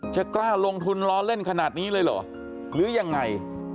จะกล้าลงทุนร้อนเล่นขนาดนี้เลยหรือยังไง